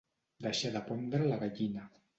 Deixar de pondre la gallina.